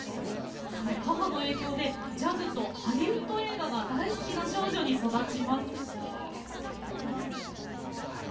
母の影響でジャズとハリウッド映画が大好きな少女に育ちます。